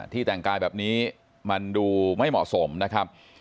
แต่งกายแบบนี้มันดูไม่เหมาะสมนะครับ